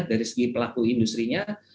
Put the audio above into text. dari segi pelaku industri nya